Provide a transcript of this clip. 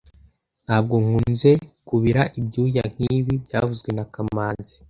Ntabwo nkunze kubira ibyuya nkibi byavuzwe na kamanzi